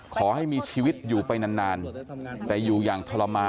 ขอให้มีชีวิตอยู่ไปนาน